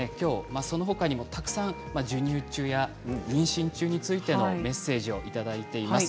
そのほかにも、たくさん授乳中や妊娠中についてのメッセージをいただきました。